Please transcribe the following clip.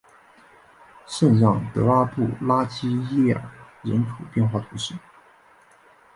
圣让德拉布拉基耶尔人口变化图示